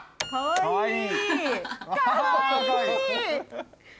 かわいい。